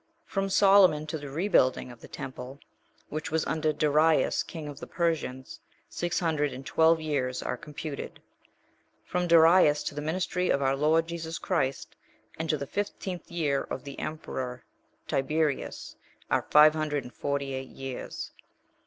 From Solomon to the rebuilding of the temple, which was under Darius, king of the Persians, six hundred and twelve years are computed. From Darius to the ministry of our Lord Jesus Christ, and to the fifteenth year of the emperor Tiberius, are five hundred and forty eight years.